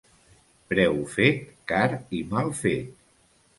Preu fet, car i mal fet.